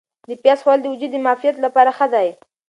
د پیاز خوړل د وجود د معافیت لپاره ښه دي.